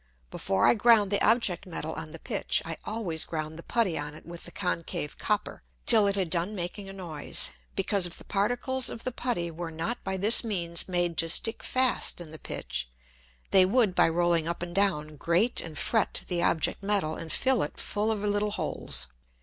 Before I ground the Object Metal on the Pitch, I always ground the Putty on it with the concave Copper, till it had done making a noise, because if the Particles of the Putty were not by this means made to stick fast in the Pitch, they would by rolling up and down grate and fret the Object Metal and fill it full of little holes.